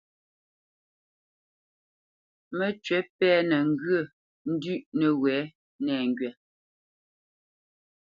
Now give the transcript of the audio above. Məcywǐ pɛ́nə ŋgyə̂ ndʉ̌ʼ nəwɛ̌ nɛŋgywa.